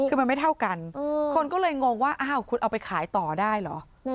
คือมันไม่เท่ากันคนก็เลยงงว่าอ้าวคุณเอาไปขายต่อได้เหรอ